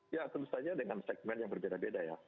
ya tentu saja dengan segmen yang berbeda beda ya